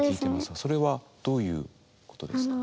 それはどういうことですか？